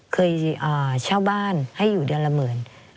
เคยเช่าบ้านให้อยู่เดือนละหมื่น